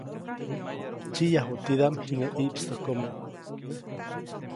Ndsyiʼyaju tidaʼm jiŋäʼ ʼiʼpstäjkomo.